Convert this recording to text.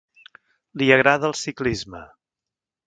Li agrada el ciclisme.